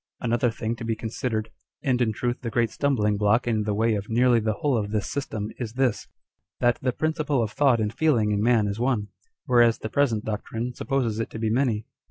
Another thing to be considered, and in truth the great stumbling block in the way of nearly the whole of this system, is this, that the principle of thought and feeling in man is one, whereas the present doctrine supposes it to be many.